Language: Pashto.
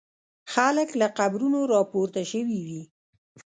خلک له قبرونو را پورته شوي وي.